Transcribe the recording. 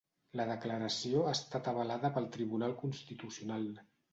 La declaració ha estat avalada pel Tribunal Constitucional